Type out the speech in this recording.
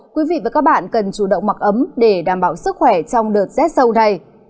quý vị và các bạn cần chủ động mặc ấm để đảm bảo sức khỏe trong đợt rét sâu này